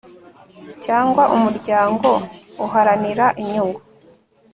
cyangwa umuryango uharanira inyungu